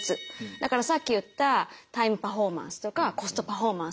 だからさっき言ったタイムパフォーマンスとかコストパフォーマンスとか。